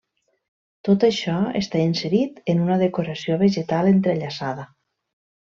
Tot això està inserit en una decoració vegetal entrellaçada.